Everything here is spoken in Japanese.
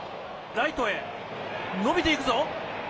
ライトへ、伸びていくぞ。